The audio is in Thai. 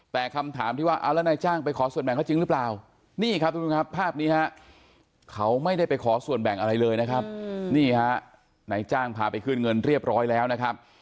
แต่คำถามที่ว่าเอาแล้วนายจ้างไปขอส่วนแบ่งเขาจริงหรือเปล่านี่ครับทุกผู้ชมครับภาพนี้ฮะเขาไม่ได้ไปขอส่วนแบ่งอะไรเลยนะครับนี่ฮะนายจ้างพาไปขึ้นเงินเรียบร้อยแล้วนะครับ